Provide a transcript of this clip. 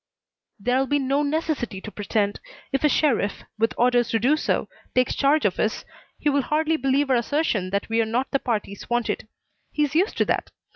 "There'll be no necessity to pretend. If a sheriff, with orders to do so, takes charge of us he will hardly believe our assertion that we are not the parties wanted. He's used to that.